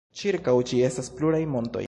Ĉirkaŭ ĝi estas pluraj montoj.